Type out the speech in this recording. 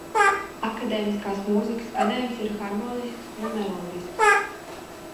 Akadēmiskās mūzikas skanējums ir harmonisks un melodisks.